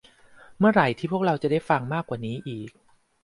เมื่อไหร่ที่พวกเราจะได้ฟังมากกว่านี้อีก